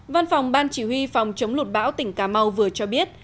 văn phòng ban chỉ huy phòng chống lụt bão tỉnh cà mau vừa cho biết